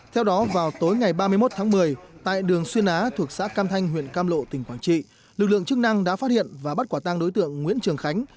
theo đó vào tối ngày ba mươi một tháng một mươi tại đường xuyên á thuộc xã cam thanh huyện cam lộ tỉnh quảng trị lực lượng chức năng đã phát hiện và bắt quả tăng đối tượng nguyễn trường khánh